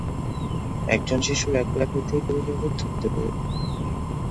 একজন শিশুর এক বা একাধিক অভিভাবক থাকতে পারে।